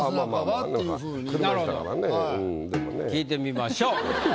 だから聞いてみましょう。